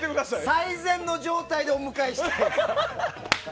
最善の状態でお迎えしたいから。